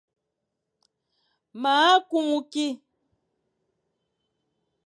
Ma kumu ki.